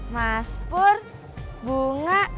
mas pur bunga